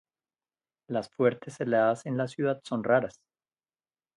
Las fuertes heladas en la ciudad son raras.